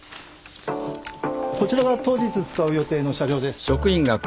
こちらが当日使う予定の車両です。